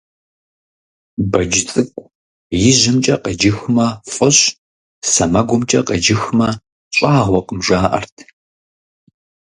Бэдж цӀыкӀу ижьымкӀэ къеджыхмэ, фӀыщ, сэмэгумкӀэ къеджыхмэ, щӀагъуэкъым, жаӀэрт.